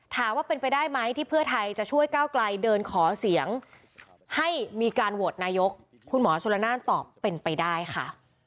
ถามว่าเป็นไปได้ไหมที่เพื่อไทยจะช่วยก้าวไกลเดินขอเสียงให้มีการโหวตนายกคุณหมอชนละนานตอบเป็นไปได้ค่ะ